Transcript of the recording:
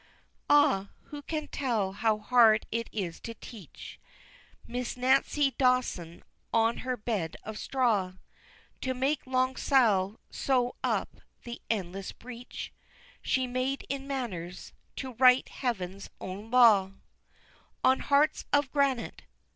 XI. Ah, who can tell how hard it is to teach Miss Nancy Dawson on her bed of straw To make Long Sal sew up the endless breach She made in manners to write heaven's own law On hearts of granite.